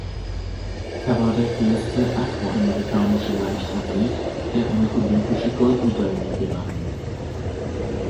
Er war der erste afro-amerikanische Leichtathlet, der eine olympische Goldmedaille gewann.